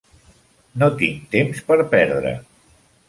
No tinc temps per perdre.